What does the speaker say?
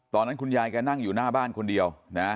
ตอนนั้นคุณยายแกนั่งอยู่หน้าบ้านคนเดียวนะ